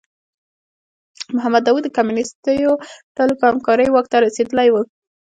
محمد داوود د کمونیستو ډلو په همکارۍ واک ته رسېدلی و.